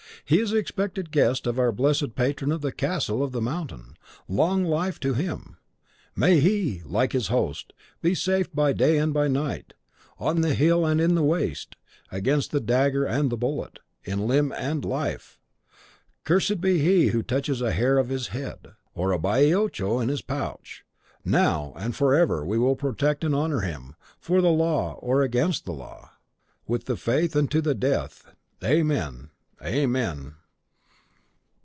He is the expected guest of our blessed patron of the Castle of the Mountain. Long life to him! May he, like his host, be safe by day and by night; on the hill and in the waste; against the dagger and the bullet, in limb and in life! Cursed be he who touches a hair of his head, or a baioccho in his pouch. Now and forever we will protect and honour him, for the law or against the law; with the faith and to the death. Amen! Amen!"